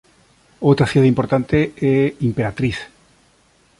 Outra cidade importante é Imperatriz.